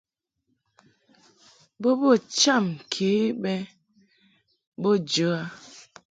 Bo bə cham ke bɛ bo jə a.